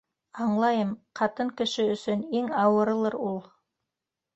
-Аңлайым, ҡатын кеше өсөн иң ауырылыр ул.